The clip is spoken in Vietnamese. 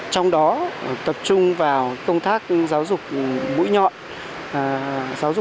trong đó tập trung vào công tác giáo dục bụi nhọn